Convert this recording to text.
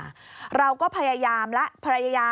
นี่ค่ะคุณผู้ชมพอเราคุยกับเพื่อนบ้านเสร็จแล้วนะน้า